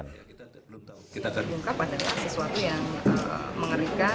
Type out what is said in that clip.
bungka pada kita sesuatu yang mengerikan